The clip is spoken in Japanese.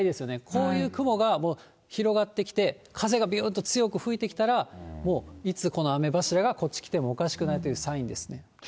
こういう雲がもう広がってきて、風がびゅーっと強く吹いてきたら、もういつ、この雨柱がこっち来てもおかしくないというサインです。